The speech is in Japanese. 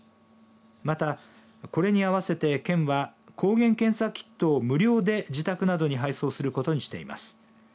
また、これに合わせて県は抗原検査キットを無料で自宅などに配送することにしています。